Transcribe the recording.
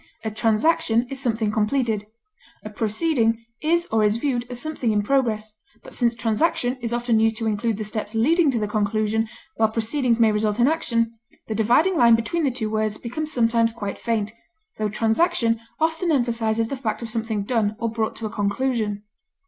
A transaction is something completed; a proceeding is or is viewed as something in progress; but since transaction is often used to include the steps leading to the conclusion, while proceedings may result in action, the dividing line between the two words becomes sometimes quite faint, tho transaction often emphasizes the fact of something done, or brought to a conclusion.